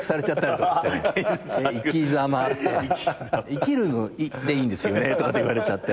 「生きるの『生』でいいんですよね」とかって言われちゃって。